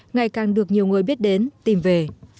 ngày càng được nhiều người biết đến tìm về